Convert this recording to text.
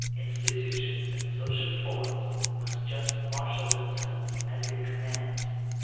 Institutions and social forms must just marshal themselves as it commands.